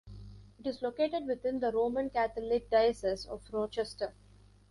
It is located within the Roman Catholic Diocese of Rochester.